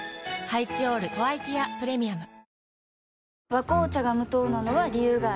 「和紅茶」が無糖なのは、理由があるんよ。